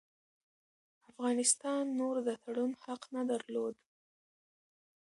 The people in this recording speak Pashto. افغانستان نور د تړون حق نه درلود.